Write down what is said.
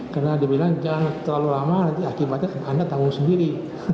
karena dibilang jangan terlalu lama nanti akibatnya anda tanggung sendiri